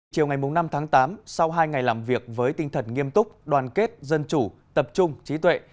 chiều ngày năm tháng tám sau hai ngày làm việc với tinh thần nghiêm túc đoàn kết dân chủ tập trung trí tuệ